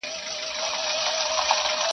خو درد هيڅکله بشپړ نه ختمېږي-